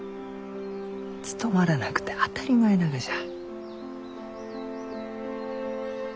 務まらなくて当たり前ながじゃ。